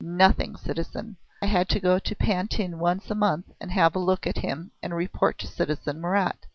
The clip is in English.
"Nothing, citizen. I had to go to Pantin once a month and have a look at him and report to citizen Marat.